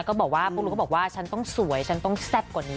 ก็บอกว่าปุ๊กลุ๊กก็บอกว่าฉันต้องสวยฉันต้องแซ่บกว่านี้